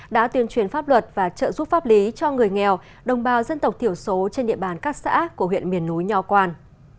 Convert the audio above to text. đã tuyên truyền pháp luật và trợ giúp pháp lý cho người nghèo đồng bào dân tộc thiểu số trên địa bàn các xã của huyện miền núi nho quang